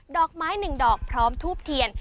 อกไม้๑ดอกพร้อมทูบเทียน